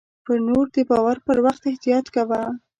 پر نور د باور پر وخت احتياط کوه .